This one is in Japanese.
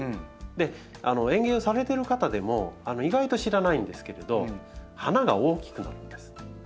園芸をされてる方でも意外と知らないんですけれど花が大きくなるんです。